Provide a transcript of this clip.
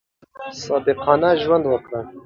صادقانه ژوند وکړئ.